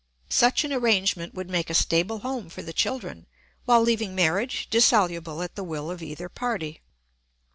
Such an arrangement would make a stable home for the children, while leaving marriage dissoluble at the will of either party.